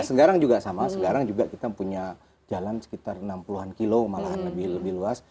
sekarang juga sama sekarang juga kita punya jalan sekitar enam puluh an kilo malahan lebih luas